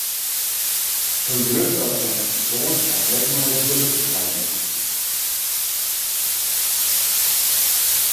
In grut part fan it fersom hat neat mei it wurk te krijen.